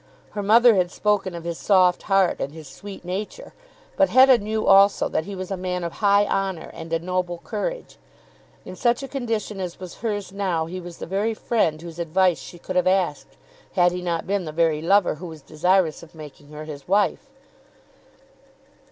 Her mother had spoken of his soft heart, and his sweet nature. But Hetta knew also that he was a man of high honour and a noble courage. In such a condition as was hers now he was the very friend whose advice she could have asked, had he not been the very lover who was desirous of making her his wife.